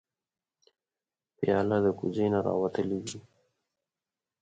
پیاله د کوزې نه راوتلې وي.